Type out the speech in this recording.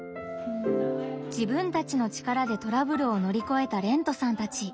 自分たちの力でトラブルをのりこえたれんとさんたち。